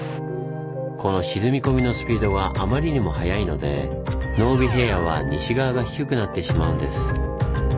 この沈み込みのスピードがあまりにも速いので濃尾平野は西側が低くなってしまうんです。